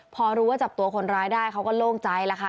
พอรู้ว่าจับตัวคนร้ายได้เขาก็โล่งใจแล้วค่ะ